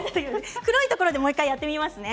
黒いところでもう１回やってみますね。